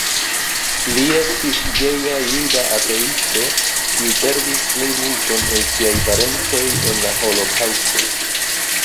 Li estis geja juda ateisto, kiu perdis plejmulton el siaj parencoj en la Holokaŭsto.